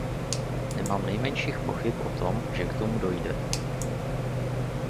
Nemám nejmenších pochyb o tom, že k tomu dojde.